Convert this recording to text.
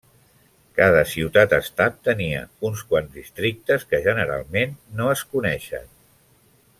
Cada ciutat-estat tenia uns quants districtes que generalment no es coneixen.